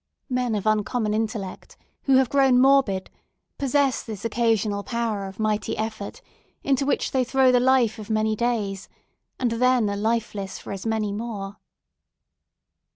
Men of uncommon intellect, who have grown morbid, possess this occasional power of mighty effort, into which they throw the life of many days and then are lifeless for as many more.